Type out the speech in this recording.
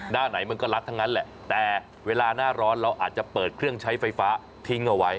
หน้าไหนมันก็ลัดทั้งนั้นแหละแต่เวลาหน้าร้อนเราอาจจะเปิดเครื่องใช้ไฟฟ้าทิ้งเอาไว้